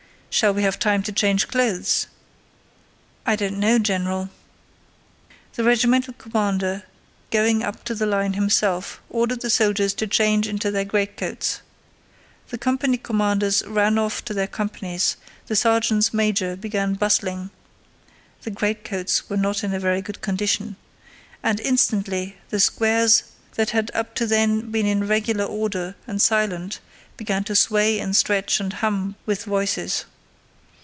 "Shall we have time to change clothes?" "I don't know, General...." The regimental commander, going up to the line himself, ordered the soldiers to change into their greatcoats. The company commanders ran off to their companies, the sergeants major began bustling (the greatcoats were not in very good condition), and instantly the squares that had up to then been in regular order and silent began to sway and stretch and hum with voices.